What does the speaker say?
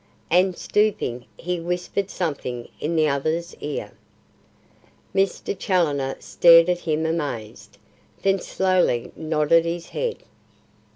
And stooping, he whispered something in the other's ear. Mr. Challoner stared at him amazed, then slowly nodded his head.